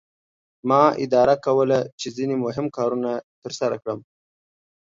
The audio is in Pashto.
ما اداره کوله چې ځینې مهم کارونه ترسره کړم.